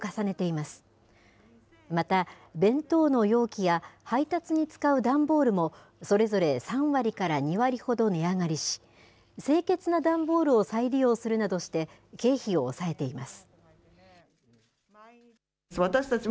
また、弁当の容器や配達に使う段ボールも、それぞれ３割から２割ほど値上がりし、清潔な段ボールを再利用するなどして、経費を抑えています。